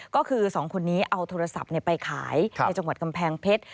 ก็คือ๒คนนี้เอาโทรศัพท์ไปขายในจังหวัดกำแพงเพชร